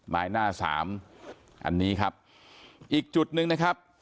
ไม้หน้าสามอันนี้ครับอีกจุดหนึ่งนะครับ